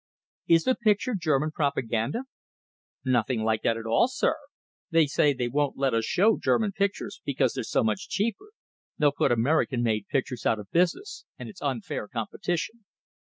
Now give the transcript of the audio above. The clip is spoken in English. "Is the picture German propaganda?" "Nothing like that at all, sir. They say they won't let us show German pictures, because they're so much cheaper; they'll put American made pictures out of business, and it's unfair competition."